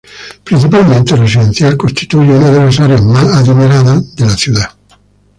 Principalmente residencial, constituye una de las áreas más adineradas de la ciudad.